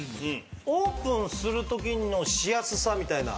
オープンするときのしやすさみたいな。